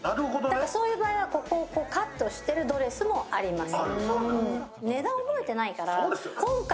そういう場合はここをカットしてるドレスもあります。